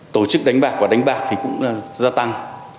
tổ chức đánh bạc và đánh bạc thì cũng gia tăng